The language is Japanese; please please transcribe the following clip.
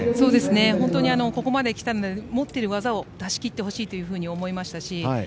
本当に、ここまできたので持っている技を出し切ってほしいと思いました